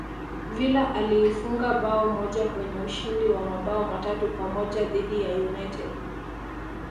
villa alifunga bao moja kwenye ushindi wa mabao matatu kwa moja dhidi ya united